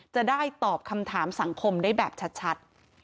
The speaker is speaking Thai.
จะได้ตอบคำถามสังคมได้แบบชัด